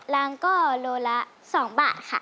รังก็โลละ๒บาทค่ะ